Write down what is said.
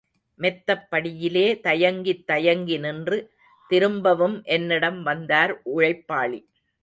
மெத்தைப் படியிலே தயங்கித் தயங்கி நின்று, திரும்பவும் என்னிடம் வந்தார் உழைப்பாளி.